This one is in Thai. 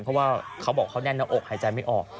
เพราะว่าเขาบอกเขาแน่นหน้าอกหายใจไม่ออก